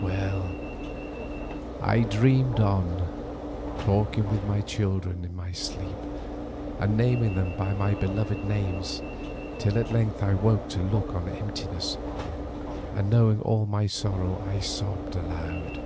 Well, I dreamed on, talking with my children in my sleep and naming them by their beloved names, till at length I woke to look on emptiness, and knowing all my sorrow I sobbed aloud.